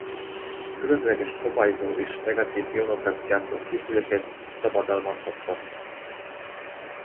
Különleges szabályozó és negatív ionokat gyártó készüléket szabadalmaztatta.